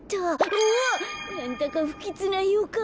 うわっなんだかふきつなよかん。